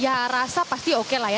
ya rasa pasti oke lah ya